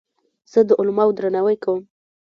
زه د علماوو درناوی کوم.